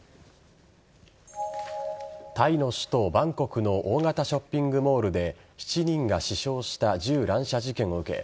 タイの首都・バンコクの大型ショッピングモールで７人が死傷した銃乱射事件を受け